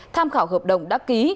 tham khảo hợp đồng đã ký